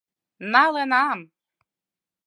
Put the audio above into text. — Налынам...